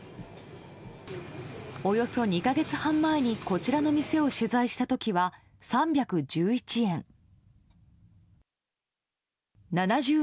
およそ２か月半前にこちらの店を取材した時は３１１円。